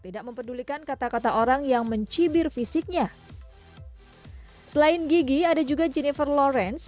tidak mempedulikan kata kata orang yang mencibir fisiknya selain gigi ada juga jennifer lawrence